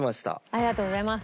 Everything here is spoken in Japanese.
ありがとうございます。